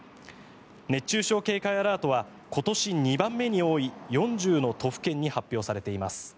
熱中症警戒アラートは今年２番目に多い４０の都府県に発表されています。